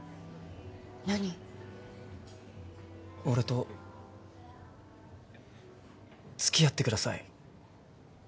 俺とつきあってください。